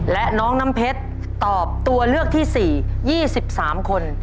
และน้องน้ำเพชรตอบตัวเลือกที่๔๒๓คน